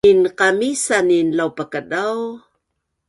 Minqamisanin laupakadau